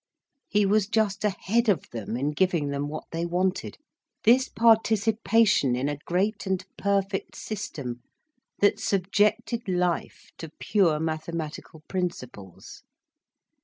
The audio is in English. He was just ahead of them in giving them what they wanted, this participation in a great and perfect system that subjected life to pure mathematical principles.